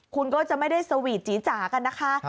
คุณก็จะไม่ได้สวีทจีจากันนะคะ